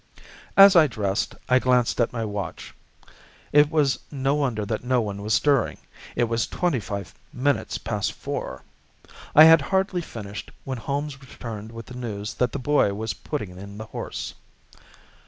As I dressed I glanced at my watch. It was no wonder that no one was stirring. It was twenty five minutes past four. I had hardly finished when Holmes returned with the news that the boy was putting in the horse.